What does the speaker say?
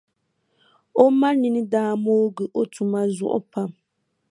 O ma nini daa moogi o tuma zuɣu pam.